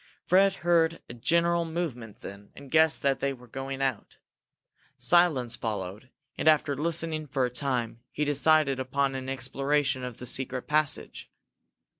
Fred heard a general movement then, and guessed that they were going out. Silence followed, and, after listening for a time, he decided upon an exploration of the secret passage.